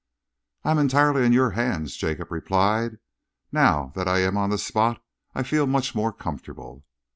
"I am entirely in your hands," Jacob replied. "Now that I am on the spot, I feel much more comfortable."